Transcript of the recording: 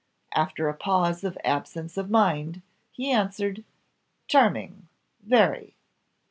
After a pause of absence of mind, he answered, "Charming! very!"